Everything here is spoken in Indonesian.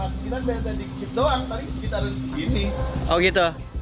segini lima puluh lima sekitar beda dikit doang paling sekitar segini